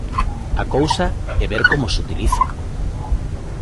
A cousa é ver como se utiliza.